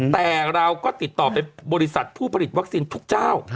แต่เราก็ติดต่อไปบริษัทผู้ผลิตวัคซีนทุกเจ้า